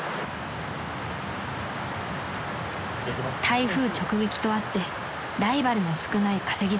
［台風直撃とあってライバルの少ない稼ぎ時です］